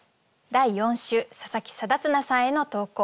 第４週佐佐木定綱さんへの投稿。